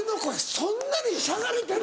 そんなにしゃがれてる？